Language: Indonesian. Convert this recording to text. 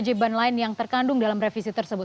kewajiban lain yang terkandung dalam revisi tersebut